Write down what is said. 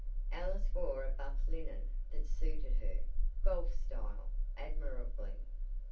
Alice wore a buff linen that suited her "golf style" admirably.